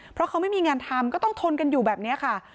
เพราะเขาไม่มีงานทำก็ต้องทนกันอยู่แบบนี้ค่ะ